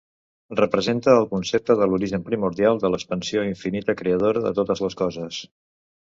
Representa el concepte de l'origen primordial, de l'expansió infinita creadora de totes les coses.